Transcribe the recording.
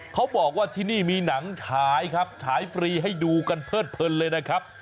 เขาบอกว่าที่นี่มีหนังฉายครับฉายฟรีให้ดูกันเพิดเพลินเลยนะครับ